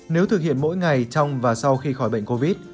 nếu thực hiện mỗi ngày trong và sau khi khỏi bệnh covid